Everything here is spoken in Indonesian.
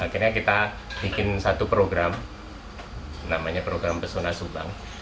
akhirnya kita bikin satu program namanya program pesona subang